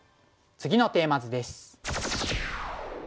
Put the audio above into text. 次のテーマ図です。